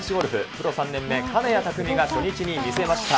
プロ３年目、金谷拓実が初日に見せました。